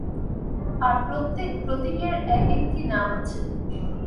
আর প্রত্যেক প্রতীকের এক-একটি নাম আছে।